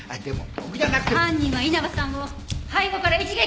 犯人は稲葉さんを背後から一撃。